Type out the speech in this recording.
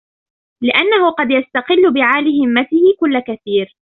لِأَنَّهُ قَدْ يَسْتَقِلُّ بِعَالِي هِمَّتِهِ كُلَّ كَثِيرٍ